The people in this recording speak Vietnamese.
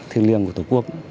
thiêng liêng của tổ quốc